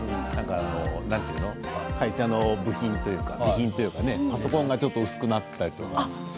何て言うの、会社の備品というかパソコンがちょっと薄くなったりとか。